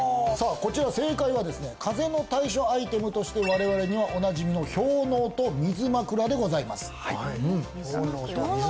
こちら正解はですね風邪の対処アイテムとして我々にはおなじみの氷のうと水枕でございます水枕？